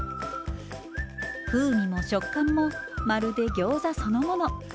風味も食感もまるでギョーザそのもの。